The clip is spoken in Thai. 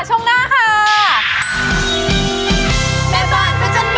ช่วงหน้าค่ะ